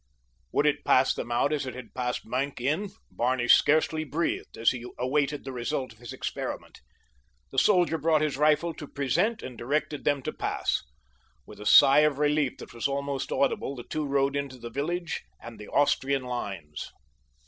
Would it pass them out as it had passed Maenck in? Barney scarcely breathed as he awaited the result of his experiment. The soldier brought his rifle to present and directed them to pass. With a sigh of relief that was almost audible the two rode into the village and the Austrian lines.